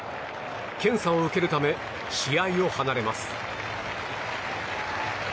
検査を受けるため試合を離れます。